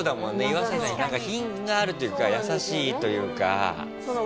イワサキさん品があるというか優しいというか。